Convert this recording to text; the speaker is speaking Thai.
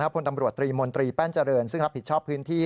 พลตำรวจตรีมนตรีแป้นเจริญซึ่งรับผิดชอบพื้นที่